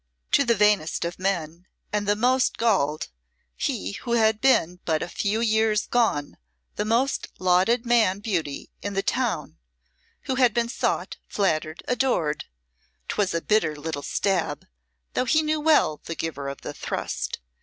To the vainest of men and the most galled he who had been but a few years gone the most lauded man beauty in the town, who had been sought, flattered, adored 'twas a bitter little stab, though he knew well the giver of the thrust.